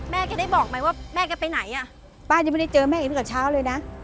แกได้บอกไหมว่าแม่แกไปไหนอ่ะป้ายังไม่ได้เจอแม่เองตั้งแต่เช้าเลยนะ